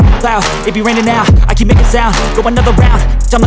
kok sampai sekarang nika masih belum telepon aku juga ya